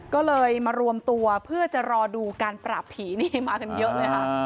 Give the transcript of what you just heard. ก็เลยมารวมตัวเพื่อจะรอดูการปราบผีนี่มากันเยอะเลยค่ะ